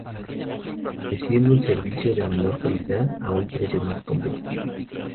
Ofreciendo un servicio de menor calidad a un precio más competitivo.